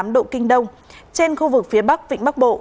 một trăm linh tám tám độ kinh đông trên khu vực phía bắc vịnh bắc bộ